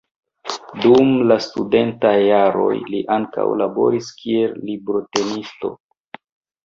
Dum la studentaj jaroj li ankaŭ laboris kiel librotenisto.